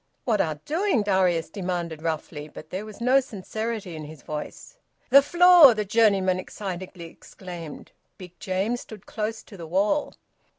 "What art doing?" Darius demanded roughly; but there was no sincerity in his voice. "Th' floor!" the journeyman excitedly exclaimed. Big James stood close to the wall.